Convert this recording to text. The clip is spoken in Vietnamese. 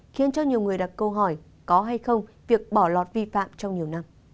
khiến cho nhiều người đặt câu hỏi có hay không việc bỏ lọt vi phạm trong nhiều năm